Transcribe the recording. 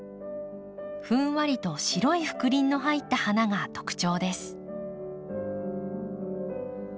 ふんわりと白い覆輪の入った花が特徴です。